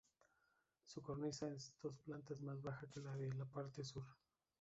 Su cornisa es dos plantas más baja que la de la parte sur.